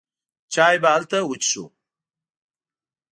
چای به هلته وڅېښو.